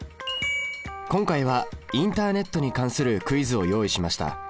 今回はインターネットに関するクイズを用意しました。